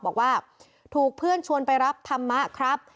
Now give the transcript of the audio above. บอกว่าถูกเพื่อนชวนไปรับธรรมะครับ